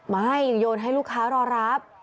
โยนให้ลูกค้ารอรับ